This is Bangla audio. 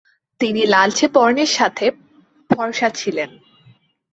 তিনি লালচে বর্ণের সাথে ফর্সা ছিলেন।